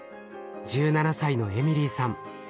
１７歳のエミリーさん